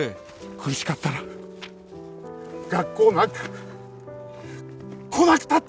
苦しかったら学校なんか来なくたっていいんだ！